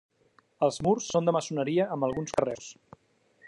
Els murs són de maçoneria amb alguns carreus.